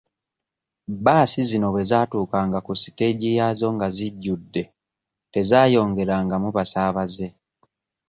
Bbaasi zino bwe zaatuukanga ku siteegi yaazo nga zijjudde tezaayongerangamu basaabaze.